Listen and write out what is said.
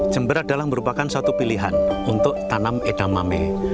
jember adalah merupakan satu pilihan untuk tanam edamame